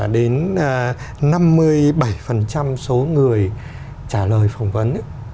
đến năm mươi bảy số người trả lời phỏng vấn